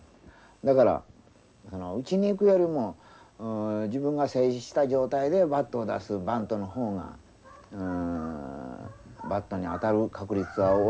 だから打ちにいくよりも自分が静止した状態でバットを出すバントの方がバットに当たる確率は多い。